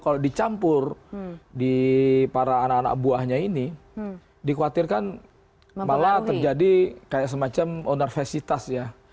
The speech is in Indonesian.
kalau dicampur di para anak anak buahnya ini dikhawatirkan malah terjadi kayak semacam onarvesitas ya